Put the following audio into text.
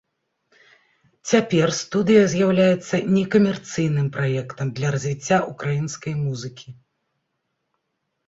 Цяпер студыя з'яўляецца некамерцыйным праектам для развіцця ўкраінскай музыкі.